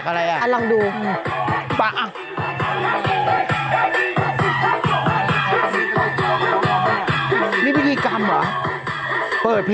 ขยังไม่รู้อ